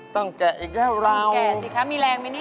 ต้องแกะอีกแล้วเราต้องแกะสิครับมีแรงไหมนี่